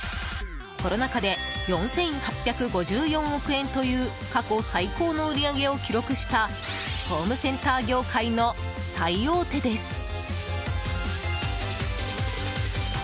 コロナ禍で４８５４億円という過去最高の売り上げを記録したホームセンター業界の最大手です。